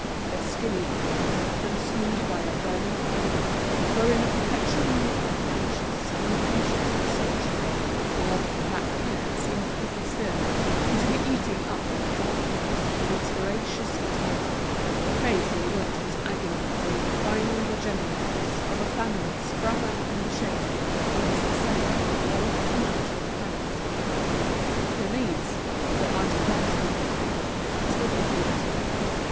Her skinny arms, consumed by a burning fever, were in a perpetual movement of anxious, unconscious searching; whilst her black hair seemed thicker still, and to be eating up her poor face with its voracious vitality, that face in which was agonizing the final degenerateness of a family sprung up in the shade, in this cellar of old commercial Paris. Denise, her heart bursting with pity, stood looking at her.